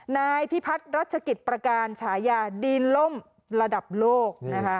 นายพิพัฒน์รัชกิจประการฉายาดีนล่มระดับโลกนะคะ